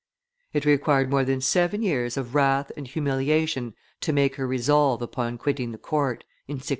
It required more than seven years of wrath and humiliation to make her resolve upon quitting the court, in 1691.